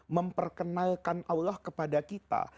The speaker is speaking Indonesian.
memperkenalkan allah kepada kita